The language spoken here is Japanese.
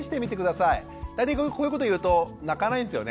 大体こういうこと言うと泣かないんですよね。